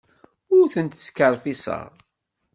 Ur tent-skerfiṣeɣ.